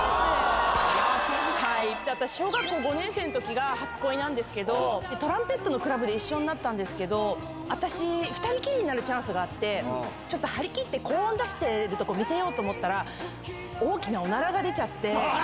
あぁ！小学校５年生の時が初恋なんですけどトランペットのクラブで一緒だったんですけど私２人きりになるチャンスがあって張り切って高音出してるとこ見せようと思ったら大きなオナラが出ちゃって。